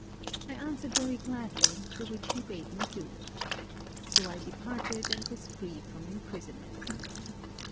I answered very gladly, the which he bade me do. So I departed and was free from imprisonment.